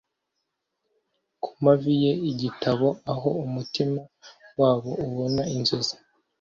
Ku mavi ye igitabo aho umutima wabo ubona inzozi